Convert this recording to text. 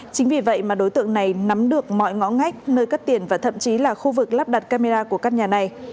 chính vì vậy mà đối tượng này nắm được mọi ngõ ngách nơi cắt tiền và thậm chí là khu vực lắp đặt camera của các nhà này